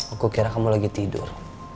aku kira kamu lagi tidur